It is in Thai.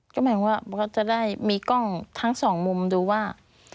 ก็หมายถึงว่าเขาจะได้มีกล้องทั้งสองมุมดูว่า